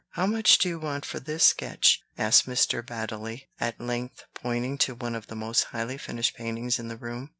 "How much do you want for this sketch?" asked Mr. Baddeley, at length, pointing to one of the most highly finished paintings in the room.